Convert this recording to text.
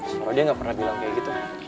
soalnya dia ga pernah bilang kayak gitu